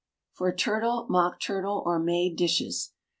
(For turtle, mock turtle, or made dishes.)